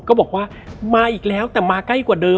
ก็บอกว่ามาอีกแล้วแต่มาใกล้กว่าเดิม